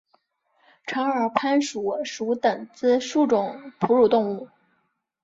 长耳攀鼠属等之数种哺乳动物。